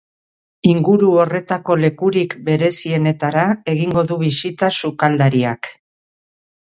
Inguru horretako lekurik berezienetara egingo du bisita sukaldariak.